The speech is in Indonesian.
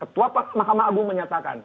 ketua mahkamah agung menyatakan